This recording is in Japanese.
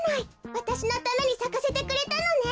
わたしのためにさかせてくれたのね。